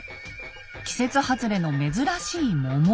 「季節外れの珍しい桃」